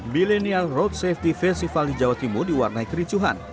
millennial road safety festival di jawa timur diwarnai kericuhan